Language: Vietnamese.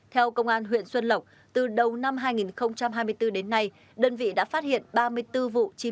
theo công an huyện xuân lộc từ đầu năm hai nghìn hai mươi bốn đến nay đơn vị đã phát hiện ba mươi bốn vụ